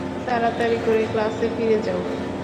তাড়াতাড়ি করে ক্লাসে ফিরে যাও।